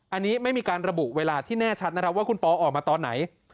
อันนี้ไม่มีการระบุเวลาที่แน่ชัดนะครับว่าคุณปอออกมาตอนไหน